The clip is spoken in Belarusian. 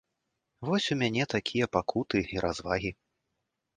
Вось у мяне такія пакуты і развагі.